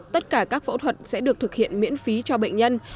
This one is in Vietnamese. tất cả các phẫu thuật sẽ được thực hiện miễn phí cho bệnh nhân